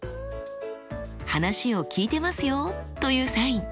「話を聞いてますよ」というサイン。